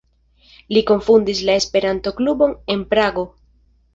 Li kunfondis la Esperanto-klubon en Prago.